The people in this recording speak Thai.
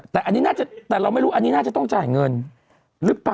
แต่เราไม่รู้อันนี้น่าจะต้องจ่ายเงินหรือเปล่า